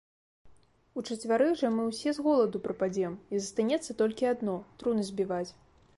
- Учацвярых жа мы ўсе з голаду прападзем, і застанецца толькі адно - труны збіваць